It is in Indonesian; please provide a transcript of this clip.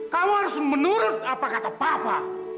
kamu harus menurut apa kata papa